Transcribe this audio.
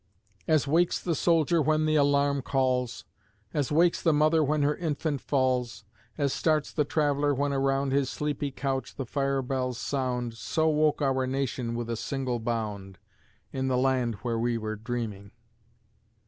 As wakes the soldier when the alarum calls As wakes the mother when her infant falls As starts the traveler when around His sleepy couch the fire bells sound So woke our nation with a single bound In the land where we were dreaming!